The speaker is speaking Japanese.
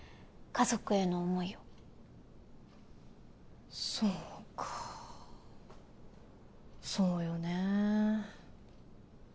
家族への想いをそっかそうよね